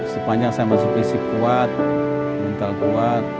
sepanjang saya masih fisik kuat mental kuat